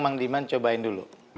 mandiman cobain dulu